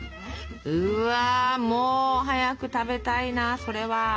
うわも早く食べたいなそれは。